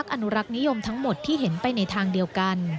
อนุรักษ์นิยมทั้งหมดที่เห็นไปในทางเดียวกัน